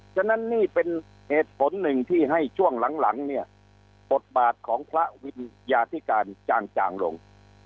ฉะนั้นนี่เป็นเหตุผลหนึ่งที่ให้ช่วงหลังเนี่ยบทบาทของพระวิญญาธิการจางลง